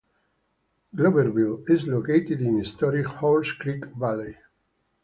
Gloverville is located in historic Horse Creek Valley.